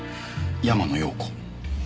山野陽子。